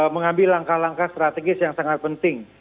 mengambil langkah langkah strategis yang sangat penting